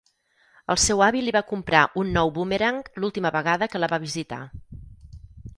El seu avi li va comprar un nou bumerang l'última vegada que la va visitar.